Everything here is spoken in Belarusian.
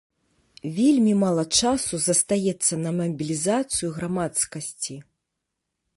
Вельмі мала часу застаецца на мабілізацыю грамадскасці.